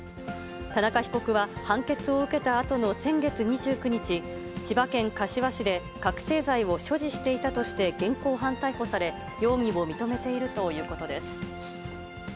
田中被告は判決を受けたあとの先月２９日、千葉県柏市で覚醒剤を所持していたとして現行犯逮捕され、容疑を認めているということです。